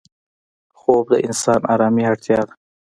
خوب د انسان آرامي اړتیا ده